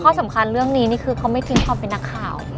สำคัญเรื่องนี้นี่คือเขาไม่ทิ้งความเป็นนักข่าว